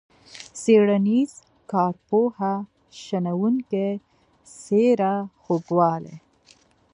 څیړنیز، کارپوه ، شنونکی ، څیره، خوږوالی.